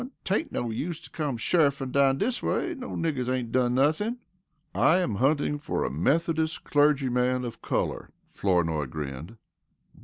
'Tain't no use to come sheriffin' down dis way. No niggers ain't done nothin'." "I am hunting for a Methodist clergyman of color," Flournoy grinned.